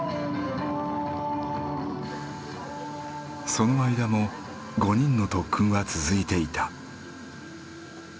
その間も５人の特訓は続いていた。